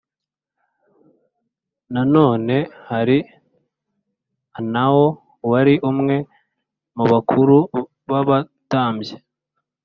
nanone hari Anao wari umwe mu bakuru b abatambyi